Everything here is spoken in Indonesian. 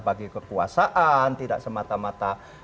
bagi kekuasaan tidak semata mata